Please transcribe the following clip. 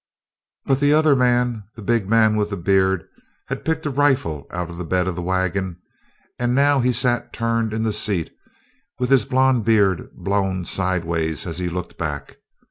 But the other man, the big man with the beard, had picked a rifle out of the bed of the wagon, and now he sat turned in the seat, with his blond beard blown sidewise as he looked back.